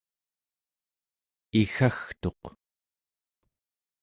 iggagtuq